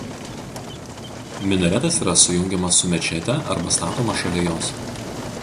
Minaretas yra sujungiamas su mečete arba statomas šalia jos.